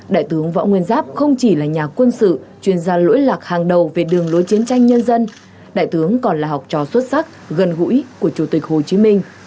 đại tướng võ nguyên giáp không chỉ là nhà quân sự chuyên gia lỗi lạc hàng đầu về đường lối chiến tranh nhân dân đại tướng còn là học trò xuất sắc gần gũi của chủ tịch hồ chí minh